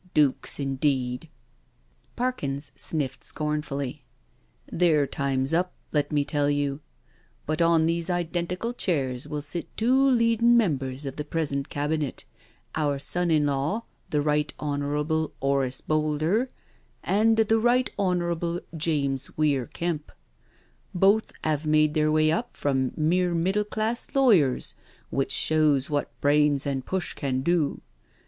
Dooks, indeed I" Parkins sniffed scornfully. "Their time's up, let me tell you I But on these identical chairs will sit two leading members of the present Cabinet — our son in law, the Right Honour able 'Orace Boulder, and the Right Honourable James Weir Kemp. Both 'ave made their way up from mere middle class lawyers, which shows what brains and push can do.